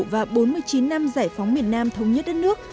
và bốn mươi chín năm giải phóng miền nam thống nhất đất nước